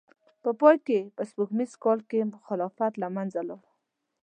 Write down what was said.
په پای کې په سپوږمیز کال کې خلافت له منځه لاړ.